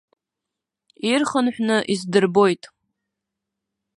Ирхынҳәны исдырбоит.